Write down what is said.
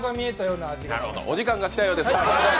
なるほど、お時間が来たようです。